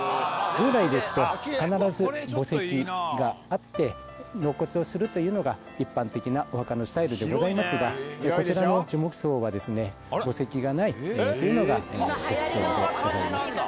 従来ですと、必ず墓石があって、納骨をするというのが一般的なお墓のスタイルでございますが、こちらの樹木葬は、墓石がないというのが特徴でございます。